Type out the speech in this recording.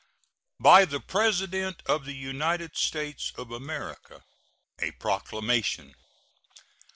BY THE PRESIDENT OF THE UNITED STATES OF AMERICA. A PROCLAMATION.